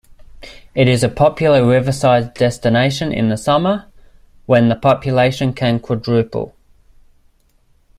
It is a popular riverside destination in the summer, when the population can quadruple.